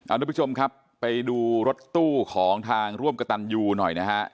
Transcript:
ทุกผู้ชมครับไปดูรถตู้ของทางร่วมกระตันยูหน่อยนะฮะ